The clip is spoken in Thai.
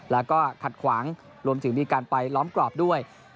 แล้วก็ขัดขวางรวมถึงมีการไปล้อมกรอบด้วย